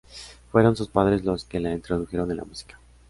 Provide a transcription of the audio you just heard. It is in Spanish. Fueron su padres los que la introdujeron en la música.